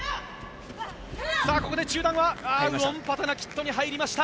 ここで中段はウオンパタナキットに入りました。